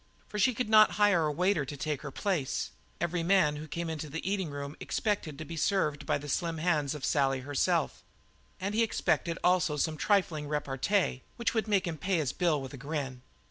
For she could not hire a waiter to take her place; every man who came into the eating room expected to be served by the slim hands of Sally herself, and he expected also some trifling repartee which would make him pay his bill with a grin.